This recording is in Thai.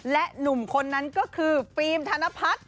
และหนุ่มคนนั้นก็คือฟิล์มธนพัฒน์